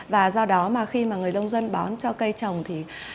và do đó mà khi mà người nông dân bón cho cây trồng thì